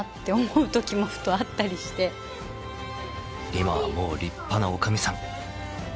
［今はもう立派な女将さん］